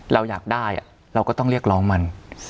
เราอยากได้เราก็ต้องเรียกร้องมัน